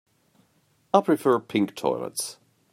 I prefer pink toilets.